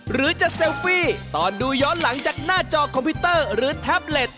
หรือจะเซลฟี่ตอนดูย้อนหลังจากหน้าจอคอมพิวเตอร์หรือแท็บเล็ต